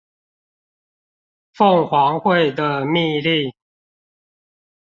鳳凰會的密令